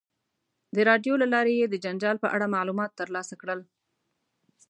د راډیو له لارې یې د جنجال په اړه معلومات ترلاسه کړل.